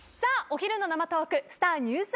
お昼の生トークスター★